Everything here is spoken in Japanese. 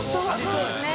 そうですね。